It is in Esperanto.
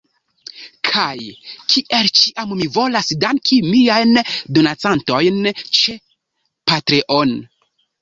Kaj, kiel ĉiam, mi volas danki miajn donacantojn ĉe Patreon